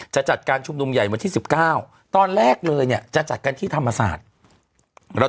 จัดการชุมนุมใหญ่วันที่๑๙ตอนแรกเลยเนี่ยจะจัดกันที่ธรรมศาสตร์